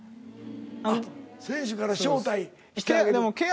あっ選手から招待してあげる。